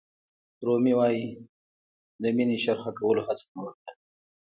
رومي وایي د مینې شرحه کولو هڅه مې وکړه.